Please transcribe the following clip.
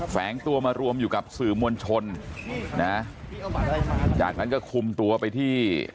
แฝงตัวมารวมอยู่กับสื่อมวลชนนะจากนั้นก็คุมตัวไปที่